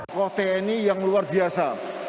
kote ini yang luar biasa